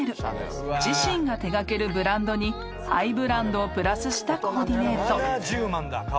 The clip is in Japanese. ［自身が手掛けるブランドにハイブランドをプラスしたコーディネート］